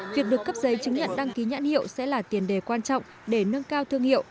việc được cấp giấy chứng nhận đăng ký nhãn hiệu sẽ là tiền đề quan trọng để nâng cao thương hiệu